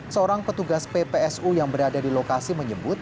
seorang petugas ppsu yang berada di lokasi menyebut